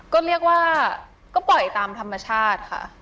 ก็เรียกว่าก็ปล่อยตามธรรมชาติค่ะ